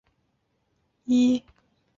他积极参与封建混战。